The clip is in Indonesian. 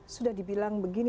sudah dibilang begini